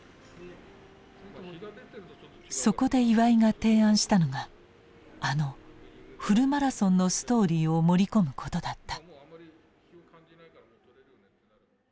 そこで岩井が提案したのがあの「フルマラソン」のストーリーを盛り込むことだった。